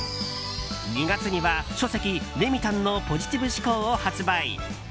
２月には、書籍「レミたんのポジティブ思考」を発売。